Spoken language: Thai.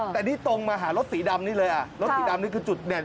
แต่นี่ตรงมาหารถสีดำนี่เลยอ่ะรถสีดำนี่คือจุดเด่น